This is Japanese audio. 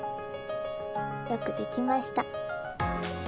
よくできました。